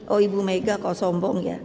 oh ibu mega kau sombong ya